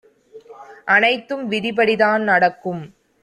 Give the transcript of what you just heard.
அனைத்தும் விதிப்படி தான் நடக்கும்